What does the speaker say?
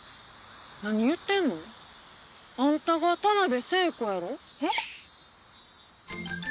何言うてんの？あんたが田辺聖子やろ？え？